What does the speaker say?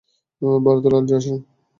ভারত লালজি আসে নাই।